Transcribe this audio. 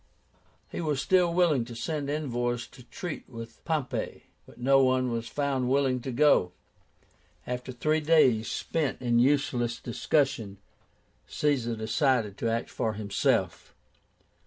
He was still willing to send envoys to treat with Pompey, but no one was found willing to go. After three days spent in useless discussion, Caesar decided to act for himself.